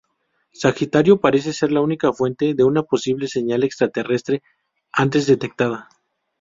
Sagitario parece ser la única fuente de una posible señal extraterrestre antes detectada.